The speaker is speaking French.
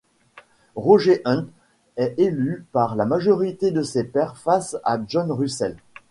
Roger Hunt est élu par la majorité de ses pairs face à John Russell.